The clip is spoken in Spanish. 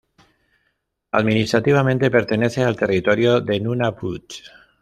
Administrativamente, pertenece al territorio de Nunavut.